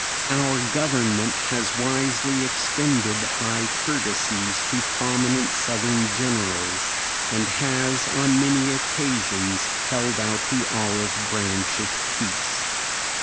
Our Government has wisely extended high courtesies to prominent Southern Generals, and has on many occasions held out the olive branch of peace.